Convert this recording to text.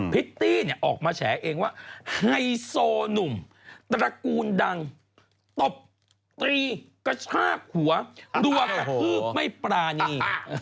ิตตี้เนี่ยออกมาแฉเองว่าไฮโซหนุ่มตระกูลดังตบตรีกระชากหัวรัวกระทืบไม่ปรานี